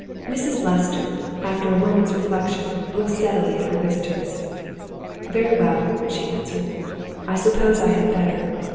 Mrs. Lester, after a moment's reflection, looked steadily at her visitors. "Very well!" she answered, "I suppose I had better.